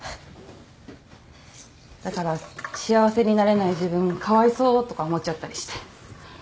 だから幸せになれない自分かわいそうとか思っちゃったりして。